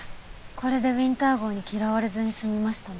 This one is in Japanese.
これでウィンター号に嫌われずに済みましたね。